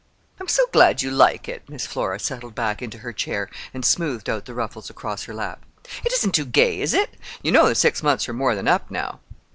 "I'm so glad you like it!" Miss Flora settled back into her chair and smoothed out the ruffles across her lap. "It isn't too gay, is it? You know the six months are more than up now."